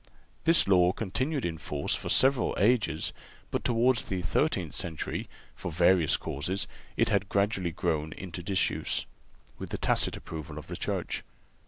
This law continued in force for several ages, but towards the thirteenth century, for various causes, it had gradually grown into disuse, with the tacit approval of the Church.